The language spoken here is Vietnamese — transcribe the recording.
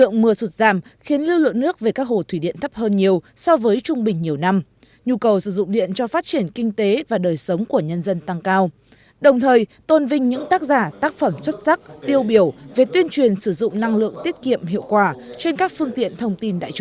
giải thưởng báo chí tuyên truyền về sử dụng năng lượng tiết kiệm và hiệu quả trong bối cảnh nắng nóng diễn ra trên diện rộng ở nhiều địa phương